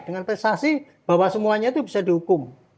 dengan prestasi bahwa semuanya itu bisa dihukum